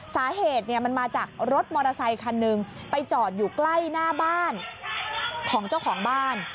สาเหตุเนี่ยมันมาจากรถมอเตอร์ไซคันหนึ่งไปจอดอยู่ใกล้หน้าบ้านของเจ้าของบ้าน